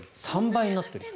３倍になっている。